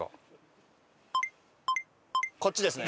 こっちですね。